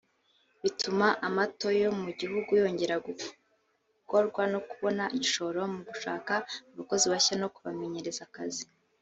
bituma amato yo mu gihugu yongera kugorwa no kubona igishoro mu gushaka abakozi bashya no kubamenyereza akazi